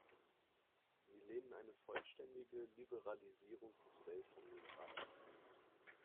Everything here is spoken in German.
Sie lehnen eine vollständige Liberalisierung des Welthandels ab.